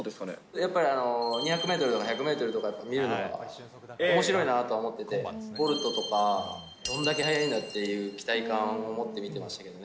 やっぱり、２００メートルとか１００メートルとか見るのがおもしろいなとは思ってて、ボルトとか、どんだけ速いんだっていう期待感を持って見てましたけどね。